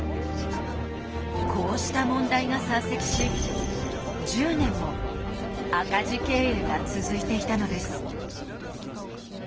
こうした問題が山積し１０年も赤字経営が続いていたのです。